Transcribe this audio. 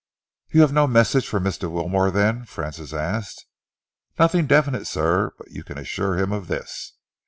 "You have no message for Mr. Wilmore, then?" Francis asked. "Nothing definite, sir, but you can assure him of this.